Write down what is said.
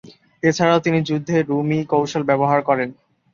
এছাড়াও তিনি যুদ্ধে রুমি কৌশল ব্যবহার করেন।